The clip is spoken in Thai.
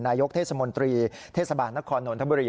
นายกเทศมนตรีเทศบาลนครนนทบุรี